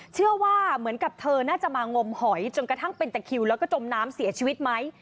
เชื่อว่าเหมือนกับเธอน่าจะมางมหอยจนกระทั่งเป็นตะคิวแล้วก็จมน้ำเสียชีวิตไหม